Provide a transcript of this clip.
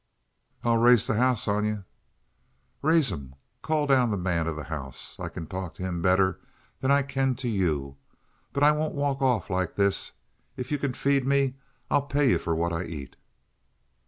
"I'll raise the house on you!" "Raise 'em. Call down the man of the house. I can talk to him better than I can to you; but I won't walk off like this. If you can feed me, I'll pay you for what I eat."